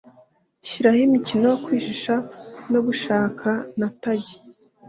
shiraho imikino yo kwihisha no gushaka na tagi